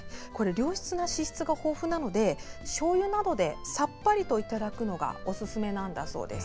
良質な脂質が豊富なのでしょうゆなどでさっぱりといただくのがおすすめだそうです。